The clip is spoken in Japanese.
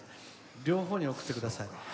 両方に送ってください。